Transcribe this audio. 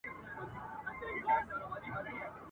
او که دي زړه سو هېرولای می سې !.